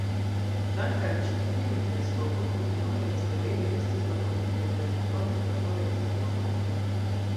Dank'al ĉi-tiuj teleskopoj, multenombraj asteroidoj estis malkovritaj de la japanaj amatoraj astronomoj.